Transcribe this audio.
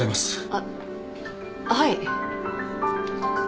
あっはい。